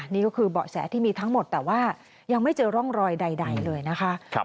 นี่ก็คือเบาะแสที่มีทั้งหมดแต่ว่ายังไม่เจอร่องรอยใดเลยนะคะ